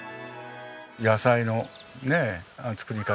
野菜の作り方。